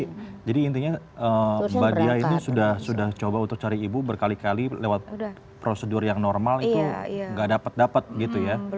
oke jadi intinya mbak dia ini sudah coba untuk cari ibu berkali kali lewat prosedur yang normal itu gak dapet dapet gitu ya